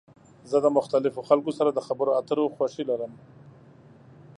زه د مختلفو خلکو سره د خبرو اترو خوښی لرم.